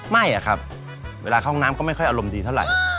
ไม่อะครับเวลาเข้าห้องน้ำก็ไม่ค่อยอารมณ์ดีเท่าไหร่